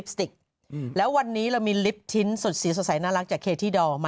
ได้ข่าวนะว่าเอาพักเดี๋ยวกลับมาฟังมดดำ